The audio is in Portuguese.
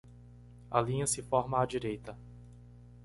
A linha se forma à direita.